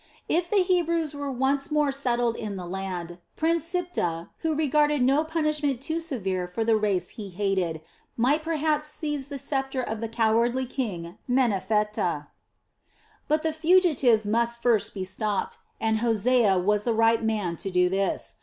If the Hebrews were once more settled in the land, Prince Siptah, who regarded no punishment too severe for the race he hated, might perhaps seize the sceptre of the cowardly king Menephtah. But the fugitives must first be stopped, and Hosea was the right man to do this.